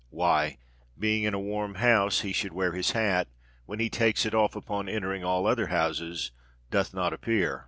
Why, being in a warm house, he should wear his hat, when he takes it off upon entering all other houses, doth not appear.